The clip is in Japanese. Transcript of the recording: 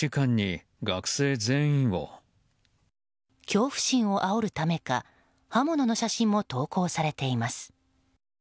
恐怖心をあおるためか刃物の写真も投稿されています。